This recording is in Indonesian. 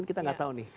kita gak tahu nih